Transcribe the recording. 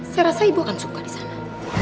saya rasa ibu akan suka disana